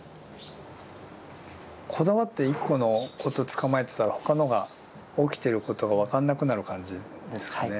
こだわって一個のことをつかまえてたら他のが起きてることが分かんなくなる感じですかね。